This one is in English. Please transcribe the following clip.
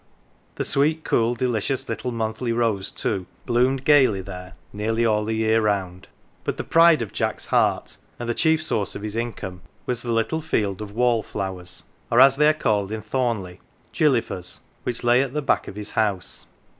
The sweet, cool, delicious little monthly rose, too, bloomed gaily there nearly all the year round. But the pride of Jack's heart 120 "THE GILLY F'ERS" and the chief source of his income was the little field of wall flowers, or, as they are called in Thornleigh, "gilly fers," which lay at the back of his house.